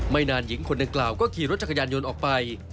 นานหญิงคนดังกล่าวก็ขี่รถจักรยานยนต์ออกไป